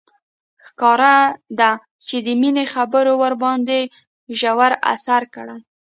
ښکارېده چې د مينې خبرو ورباندې ژور اثر کړی.